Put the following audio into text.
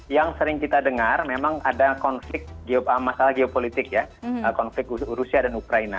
yang sering kita dengar memang ada konflik masalah geopolitik ya konflik rusia dan ukraina